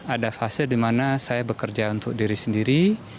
ada fase di mana saya bekerja untuk diri sendiri